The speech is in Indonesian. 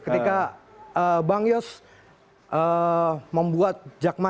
ketika bang yos membuat jakman